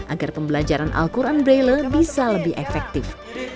agar pembelajaran al quran braille bisa lebih efektif